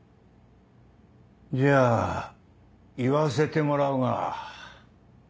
じゃあ言わせてもらうが。